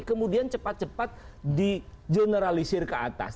kemudian cepat cepat di generalisir ke atas